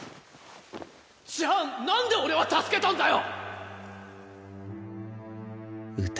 じゃあなんで俺は助けたんだよ